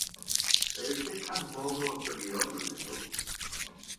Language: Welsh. Mae eisiau canmol nhw am drio, dwi'n meddwl.